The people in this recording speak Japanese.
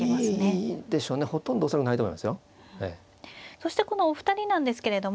そしてこのお二人なんですけれども。